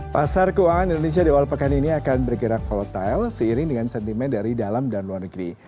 pasar keuangan indonesia di awal pekan ini akan bergerak volatile seiring dengan sentimen dari dalam dan luar negeri